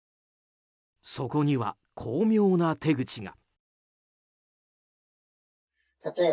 そこには、巧妙な手口が。